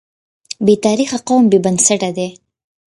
بې تاریخه قوم بې بنسټه دی.